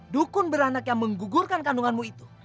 dukun beranak yang menggugurkan kandunganmu itu